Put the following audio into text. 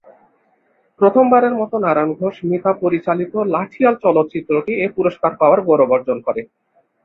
প্রথমবারের মত নারায়ণ ঘোষ মিতা পরিচালিত লাঠিয়াল চলচ্চিত্রটি এ পুরস্কার পাওয়ার গৌরব অর্জন করে।